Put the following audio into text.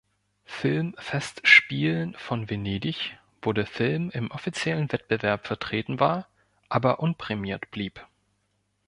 Filmfestspielen von Venedig, wo der Film im offiziellen Wettbewerb vertreten war, aber unprämiert blieb.